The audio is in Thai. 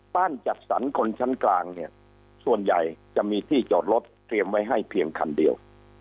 จัดสรรคนชั้นกลางเนี่ยส่วนใหญ่จะมีที่จอดรถเตรียมไว้ให้เพียงคันเดียว